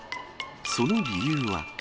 その理由は。